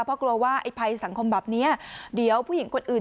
เพราะกลัวว่าไอ้ภัยสังคมแบบนี้เดี๋ยวผู้หญิงคนอื่น